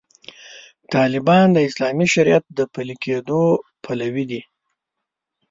طالبان د اسلامي شریعت د پلي کېدو پلوي دي.